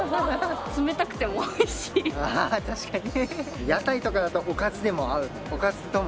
ああ確かに。